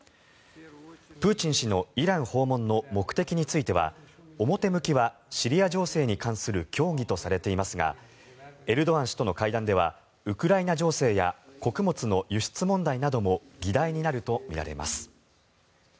プーチン氏のイラン訪問の目的については表向きはシリア情勢に関する協議とされていますがエルドアン氏との会談ではウクライナ情勢や穀物の輸出問題なども議題になるとみられます。